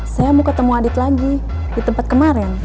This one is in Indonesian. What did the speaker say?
saya mau ketemu adit lagi di tempat kemaren